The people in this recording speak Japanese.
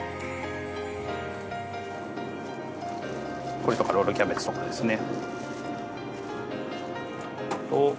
これとかロールキャベツとかですね。